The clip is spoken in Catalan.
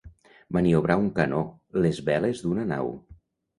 Maniobrar un canó, les veles d'una nau.